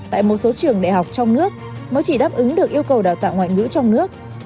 tại một số trường đại học trong nước mới chỉ đáp ứng được yêu cầu đào tạo ngoại ngữ trong nước